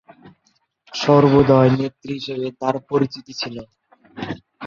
সর্বোদয় নেত্রী হিসেবে তার পরিচিতি ছিল।